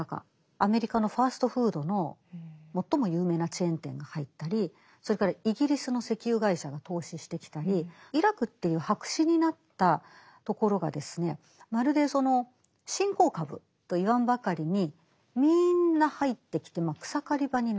アメリカのファストフードの最も有名なチェーン店が入ったりそれからイギリスの石油会社が投資してきたりイラクっていう白紙になったところがまるでその新興株と言わんばかりにみんな入ってきて草刈り場になったわけです。